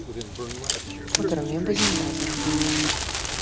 У турме будзем разам.